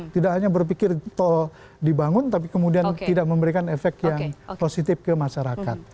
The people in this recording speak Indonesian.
tidak hanya berpikir tol dibangun tapi kemudian tidak memberikan efek yang positif ke masyarakat